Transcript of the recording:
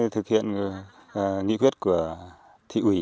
thực hiện nghị quyết của thị ủy